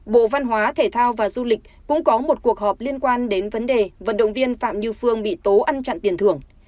bộ văn hóa thể thao và du lịch cũng có một cuộc họp liên quan đến vấn đề vận động viên phạm như phương bị tố ăn chặn tiền thưởng